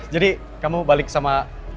jadi kamu balik sama